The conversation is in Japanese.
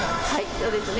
そうですね。